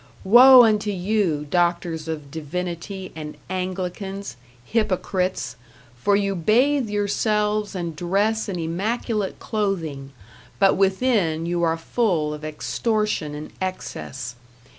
Woe unto you, doctors of divinity and Anglicans, hypocrites! for you bathe yourselves and dress in immaculate clothing but within you are full of extortion and excess.